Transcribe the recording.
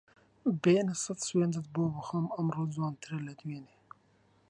بێنە سەد سوێندت بۆ بخۆم ئەمڕۆ جوانترە لە دوێنێ